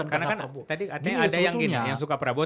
karena kan tadi ada yang suka prabowo